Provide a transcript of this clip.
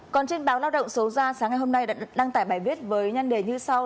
còn trên báo lao động số gia sáng nay hôm nay đăng tải bài viết với nhân đề như sau